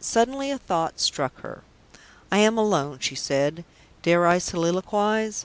Suddenly a thought struck her. "I am alone," she said. "Dare I soliloquise?